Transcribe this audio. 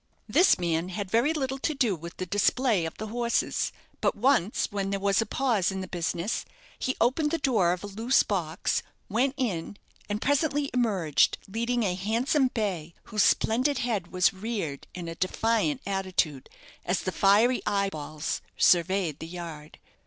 This man had very little to do with the display of the horses; but once, when there was a pause in the business, he opened the door of a loose box, went in, and presently emerged, leading a handsome bay, whose splendid head was reared in a defiant attitude, as the fiery eyeballs surveyed the yard.